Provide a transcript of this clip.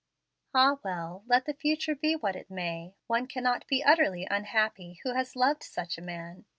"Ah, well, let the future be what it may, one cannot be utterly unhappy who has loved such a man.